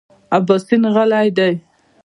اباسین غلی دی .